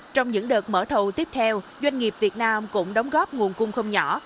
trong những đợt mở thầu tiếp theo doanh nghiệp việt nam cũng đóng góp nguồn cung không nhỏ